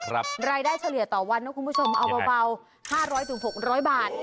รายได้เฉลี่ยต่อวันนะคุณผู้ชมเอาเบา๕๐๐๖๐๐บาท